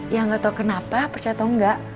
ya gak tau kenapa percaya atau enggak